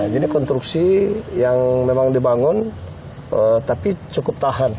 jadi konstruksi yang memang dibangun tapi cukup tahan